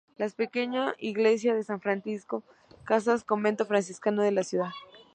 La pequeña iglesia de San Francisco, casas convento franciscano de la ciudad.